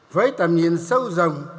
với tầm nhìn sâu rộng